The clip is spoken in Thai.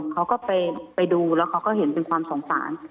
เขาก็ไปดูแล้วเขาก็เห็นเป็นความสงสาร